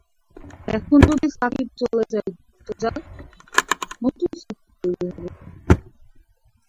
এখন যদি সাকিব চলে যায়, তো যাক, নতুন সাকিব তৈরি হবে।